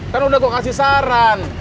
kan udah gue kasih saran